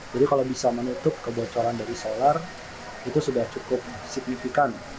jadi kalau bisa menutup kebocoran dari solar itu sudah cukup signifikan